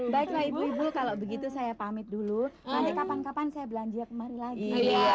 baiklah ibu ibu kalau begitu saya pamit dulu nanti kapan kapan saya belanja kemari lagi